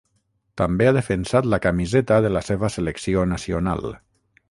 També ha defensat la camiseta de la seva selecció nacional.